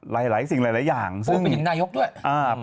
ทางแฟนสาวก็พาคุณแม่ลงจากสอพอ